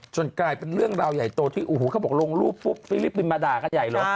กลายเป็นเรื่องราวใหญ่โตที่โอ้โหเขาบอกลงรูปปุ๊บฟิลิปปินส์มาด่ากันใหญ่เหรอ